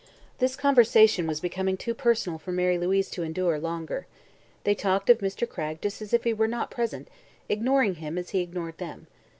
This conversation was becoming too personal for Mary Louise to endure longer. They talked of Mr. Cragg just as if he were not present, ignoring him as he ignored them.